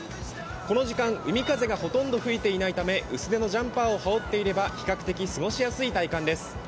この時間、海風がほとんど吹いていないため薄手のジャンパーを羽織っていれば、比較的過ごしやすい体感です。